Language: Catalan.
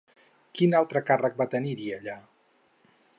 Quin altre càrrec va tenir-hi, allà?